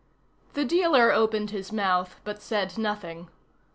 The dealer opened his mouth, but said nothing.